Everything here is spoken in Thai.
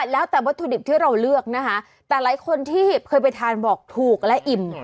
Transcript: แล้วแต่วัตถุดิบที่เราเลือกนะคะแต่หลายคนที่เคยไปทานบอกถูกและอิ่ม